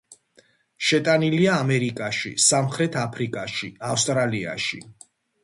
შეტანილია ამერიკაში, სამხრეთ აფრიკაში, ავსტრალიაში.